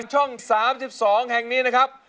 ช่อง๓๒แห่งนี้นะครับ